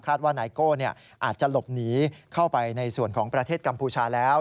ว่าไนโก้อาจจะหลบหนีเข้าไปในส่วนของประเทศกัมพูชาแล้ว